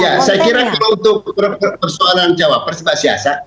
ya saya kira kalau untuk persoalan cawapres mbak syahsa